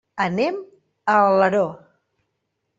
Anem a Alaró.